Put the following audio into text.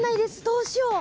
どうしよう。